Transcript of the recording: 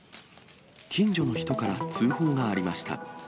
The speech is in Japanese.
近所の人から通報がありました。